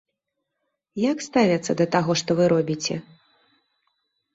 Як ставяцца да таго, што вы робіце?